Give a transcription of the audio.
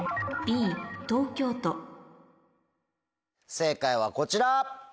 正解はこちら！